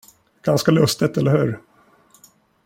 Ganska lustigt, eller hur?